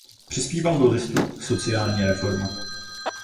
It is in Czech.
Přispíval do listu "Sociální reforma".